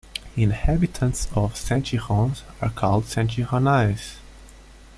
Inhabitants of Saint-Girons are called "Saint-Gironnais".